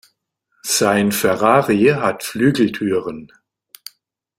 Sein Ferrari hat Flügeltüren.